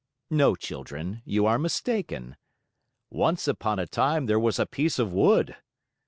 No, children, you are mistaken. Once upon a time there was a piece of wood.